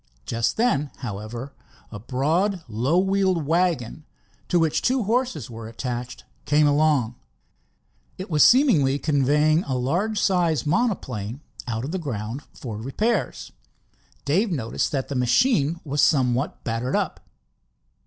Just then, however, a broad low wheeled wagon to which two horses were attached came along. It was seemingly conveying a large sized monoplane out of the grounds for repairs. Dave noticed that the machine was somewhat battered up.